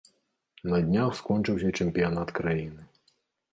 На днях скончыўся чэмпіянат краіны.